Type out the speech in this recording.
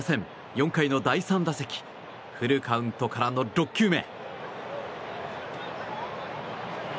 ４回の第３打席フルカウントからの６球目。